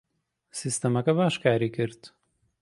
سیستەمەکە باش کاری کرد.